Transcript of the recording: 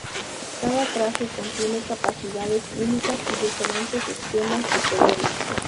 Cada traje contiene capacidades únicas y diferentes esquemas de colores.